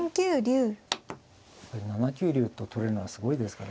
やっぱり７九竜と取れるのはすごいですからね。